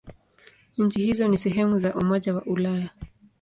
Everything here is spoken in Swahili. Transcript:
Nchi hizo si sehemu za Umoja wa Ulaya.